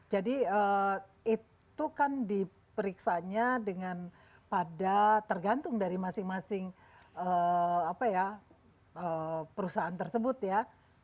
jadi itu kan diperiksanya dengan pada tergantung dari masing masing perusahaan tersebut ya